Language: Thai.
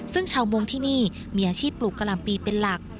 ซึ่งชาวมงที่นี่มีอาชีพปลูกกะหล่ำปีเป็นหลัก